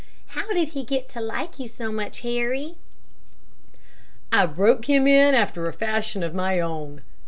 "How did he get to like you so much, Harry?" "I broke him in after a fashion of my own.